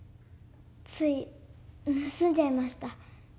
つい盗んじゃいました。